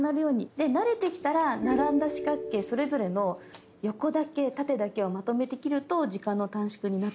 で慣れてきたら並んだ四角形それぞれの横だけ縦だけをまとめて切ると時間の短縮になったりします。